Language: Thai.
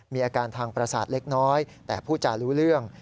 มีอาการทางประสาทเล็กน้อยแต่ผู้จารู้เรื่อง